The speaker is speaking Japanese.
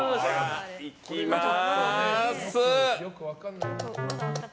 いきます